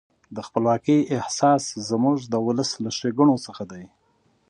د خپلواکۍ احساس زموږ د ولس له ښېګڼو څخه دی.